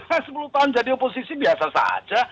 saya sepuluh tahun jadi oposisi biasa saja